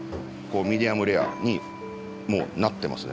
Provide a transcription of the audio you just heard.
ミディアムレアにもうなってますね